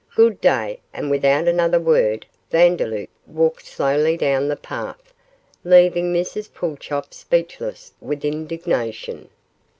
Good day!' and without another word Vandeloup walked slowly off down the path, leaving Mrs Pulchop speechless with indignation.